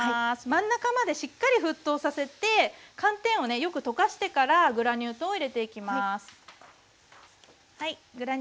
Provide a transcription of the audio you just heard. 真ん中までしっかり沸騰させて寒天をねよく溶かしてからグラニュー糖を入れていきます。